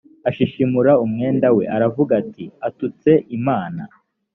ashishimura umwenda we aravuga ati atutse imana